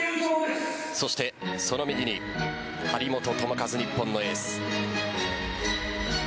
そしてその右に張本智和、日本のエース。